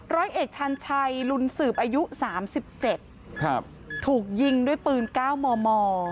ร้อยเอกชันชัยลุนสืบอายุ๓๗ถูกยิงด้วยปืน๙ม